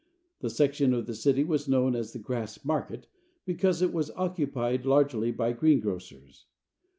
The section of the city was known as the Grass Market, because it was occupied largely by greengrocers.